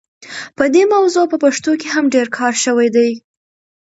په دې موضوع په پښتو کې هم ډېر کار شوی دی.